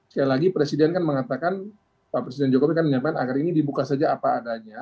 sekali lagi presiden kan mengatakan pak presiden jokowi kan menyampaikan agar ini dibuka saja apa adanya